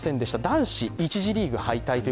男子は１次リーグ敗退。